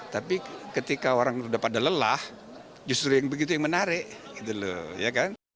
tapi ketika orang sudah pada lelah justru yang begitu yang menarik